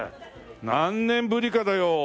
何年ぶりかだよ。